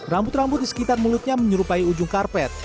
rambut rambut di sekitar mulutnya menyerupai ujung karpet